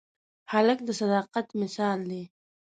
هلک د صداقت مثال دی.